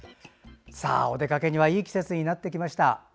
お出かけにはいい季節になってきました。